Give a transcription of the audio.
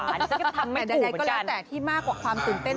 ฉันก็ทำไม่ถูกเหมือนกันแต่ก็แล้วแต่ที่มากกว่าความตื่นเต้น